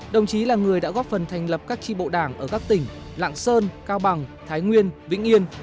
đồng chí là người đã góp phần thành lập các tri bộ đảng ở các tỉnh lạng sơn cao bằng thái nguyên vĩnh yên